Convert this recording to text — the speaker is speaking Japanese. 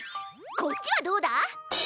こっちはどうだ？